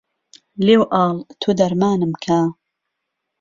لێو ئاڵ تۆ دەرمانم کە